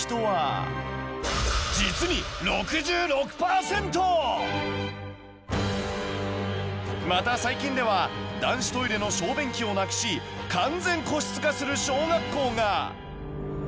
アンケートによればまた最近では男子トイレの小便器をなくし完全個室化する小学校が！